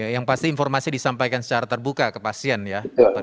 yang pasti informasi disampaikan secara terbuka ke pasien ya